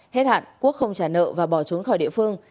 hết hạn quốc không trả nợ và bỏ trốn khỏi địa phương